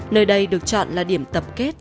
nơi đây được chọn là điểm tập kết